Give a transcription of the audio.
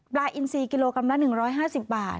ปลายอินซีเกโลกรัมแล้ว๑๕๐บาท